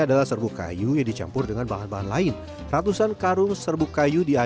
adalah serbu kayu yang dicampur dengan bahan bahan lain ratusan karung serbu kayu